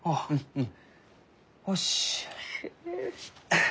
うん。